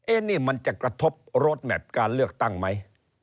เอ๊ะนี่มันจะกระทบโรดแม็ตการเลือกตั้งไหม